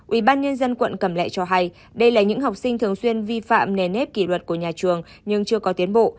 ủy ban nhân dân quận cẩm lệ cho hay đây là những học sinh thường xuyên vi phạm nề nếp kỷ luật của nhà trường nhưng chưa có tiến bộ